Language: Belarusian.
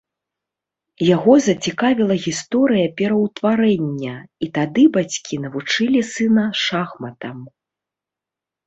Яго зацікавіла гісторыя пераўтварэння, і тады бацькі навучылі сына шахматам.